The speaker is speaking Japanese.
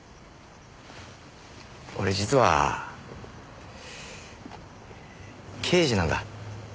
俺実は刑事なんだ。